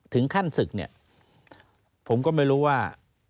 ถึงขั้นศึกเนี่ยผมก็ไม่รู้ว่า